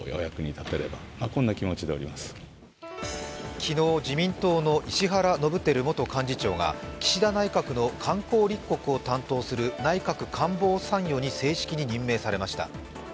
昨日、自民党の石原伸晃元幹事長が岸田内閣の観光立国を担当する内閣官房参与に正式に任命されました。